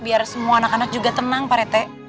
biar semua anak anak juga tenang pak rete